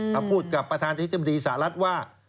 เขาพูดกับประธานที่จำดีสหรัฐว่า